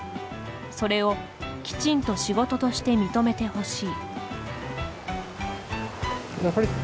それを、きちんと仕事として認めてほしい。